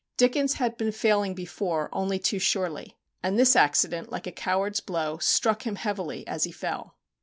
Dickens had been failing before only too surely; and this accident, like a coward's blow, struck him heavily as he fell.